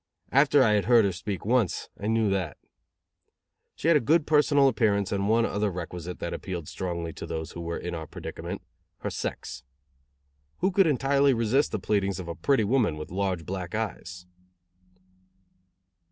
After I had heard her speak once, I knew that. She had a good personal appearance and one other requisite that appealed strongly to those who were in our predicament her sex. Who could entirely resist the pleadings of a pretty woman with large black eyes?